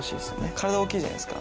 体大きいじゃないですか。